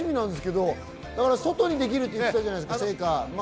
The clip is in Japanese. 外にできるって言ってたじゃないですか。